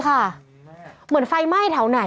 มันอาจจะไม่ใช่เป็นเรื่องเดียวกันกับที่คนไข้เข้าใจ